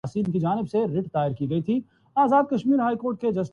کیا یہ صحافی اقدار کی خلاف ورزی نہیں۔